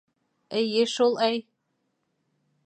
— Эйе шул, әй!